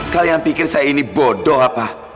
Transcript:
kalian pikir saya ini bodoh apa